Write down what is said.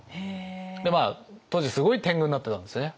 で当時すごいてんぐになってたんですよね。